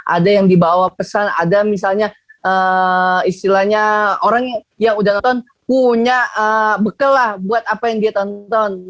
ada yang dibawa pesan ada misalnya istilahnya orang yang udah nonton punya bekal lah buat apa yang dia tonton